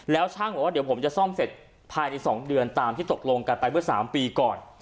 แล้วช่างบอกว่าเดี๋ยวผมจะซ่อมเสร็จภายใน๒เดือนตามที่ตกลงกันไปเมื่อ๓ปีก่อน